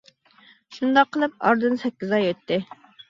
شۇنداق قىلىپ ئارىدىن سەككىز ئاي ئۆتتى.